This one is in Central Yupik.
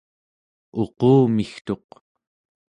uqumigtuq